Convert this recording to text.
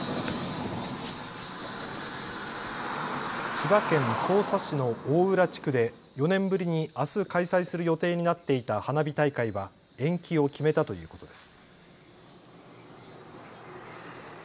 千葉県匝瑳市の大浦地区で４年ぶりにあす開催する予定になっていた花火大会は延期を決めたということです。